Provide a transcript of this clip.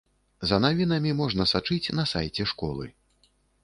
За навінамі можна сачыць на сайце школы.